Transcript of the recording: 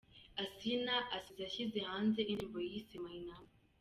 Assinah asize ashyize hanze indirimbo yise ‘My number’.